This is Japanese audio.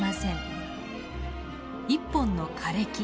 １本の枯れ木。